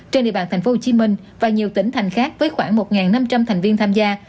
trên địa bàn tp hcm và nhiều tỉnh thành khác với khoảng một năm trăm linh thành viên tham gia